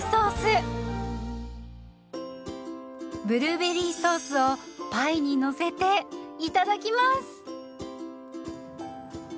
ブルーベリーソースをパイにのせていただきます。